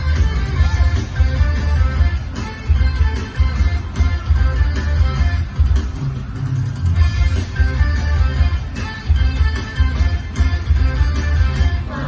สวัสดีครับ